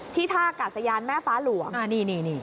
ที่ถ้ากับสะยานแม่ฟ้าหลวง